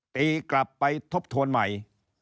ตีกลับไปทบทวนใหม่